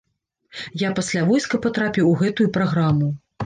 Я пасля войска патрапіў у гэтую праграму.